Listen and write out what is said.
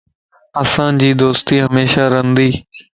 اسانجي دوستي ھميشا رھندي